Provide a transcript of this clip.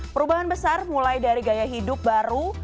perubahan besar mulai dari gaya hidup baru